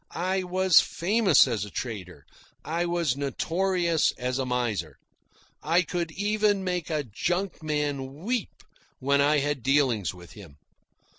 I was famous as a trader. I was notorious as a miser. I could even make a junkman weep when I had dealings with him.